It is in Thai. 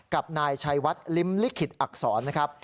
กับนายชัยวัดลิ้มลิขิตอักษรนะครับ